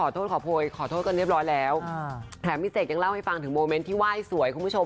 แถมพี่เสกยังเล่าให้ฟังทึกโมเมนต์ที่ไหว้สวยคุณผู้ชม